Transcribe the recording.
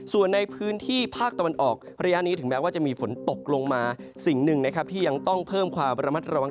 ส่วนในพื้นที่ภาคตะวันออกระยะนี้ถึงแม้ว่าจะมีฝนตกลงมาสิ่งหนึ่งนะครับที่ยังต้องเพิ่มความระมัดระวัง